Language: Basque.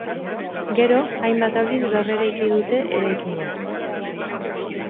Gero, hainbat aldiz berreraiki dute eraikina.